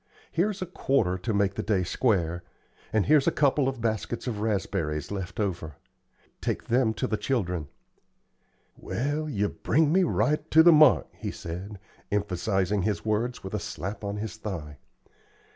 Here's a quarter to make the day square, and here's a couple of baskets of raspberries left over. Take them to the children." "Well, yer bring me right to the mark," he said, emphasizing his words with a slap on his thigh.